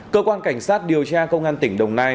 cơ quan cảnh sát điều tra công an tỉnh đồng nai